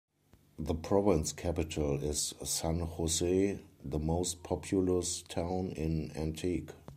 The province capital is San Jose, the most populous town in Antique.